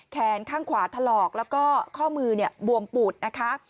แขนข้างขวาถลอกแล้วก็ข้อมือบวมปูดนะคะ